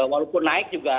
walaupun naik juga